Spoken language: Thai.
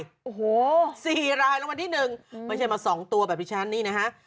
โอ้โหสี่รายรางวัลที่หนึ่งไม่ใช่มาสองตัวแบบดิฉะนั้นนี่นะฮะ